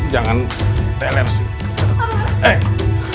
jangan peler sih